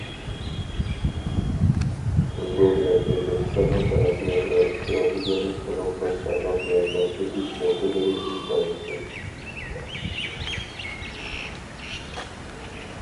جۇڭگو بىلەن ئۆزبېكىستاننىڭ تەرەققىياتىدا ئىستراتېگىيەلىك تولۇقلاشچانلىق ۋە ماسلىشىش نۇقتىلىرى ئىنتايىن كۆپ.